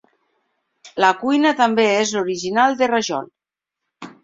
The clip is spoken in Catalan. La cuina també és l’original de rajol.